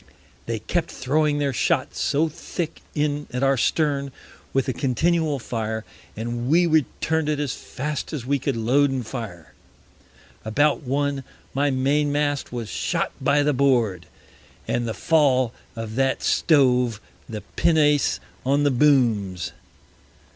They kept throwing their shot so thick in at our Stern, with a continual Fire, and we return'd it as fast as we could load and fire. About One, my Main mast was shot by the Board, and the Fall of that stove the Pinnace on the Booms.